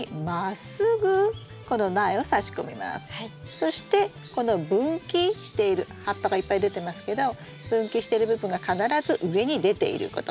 そしてこの分岐している葉っぱがいっぱい出てますけど分岐してる部分が必ず上に出ていること。